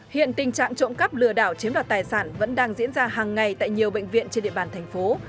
hiện tình trạng trộm cắp lừa đảo chiếm đoạt tài sản vẫn đang diễn ra hàng ngày tại nhiều bệnh viện trên địa bàn thành phố